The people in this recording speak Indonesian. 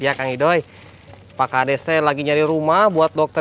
iya kang idoi pak kdc lagi nyari rumah buat dokter